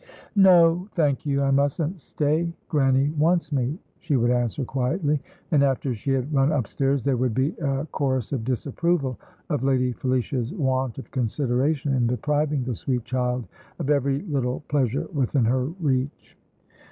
"No, thank you, I mustn't stay. Grannie wants me," she would answer quietly; and after she had run upstairs, there would be a chorus of disapproval of Lady Felicia's want of consideration in depriving the sweet child of every little pleasure within her reach.